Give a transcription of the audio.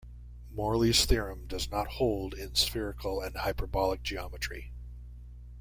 Morley's theorem does not hold in spherical and hyperbolic geometry.